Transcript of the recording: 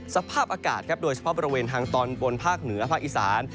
สภาพอากาศครับโดยเฉพาะบริเวณทางตอนบนภาคเหนือภาคอีสาน